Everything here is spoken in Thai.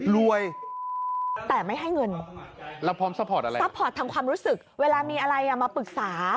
รวยแต่ไม่ให้เงินซัพพอร์ตทั้งความรู้สึกเวลามีอะไรมาปรึกษา